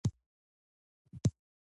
د پیسو اندازه د معاهدې مطابق ده.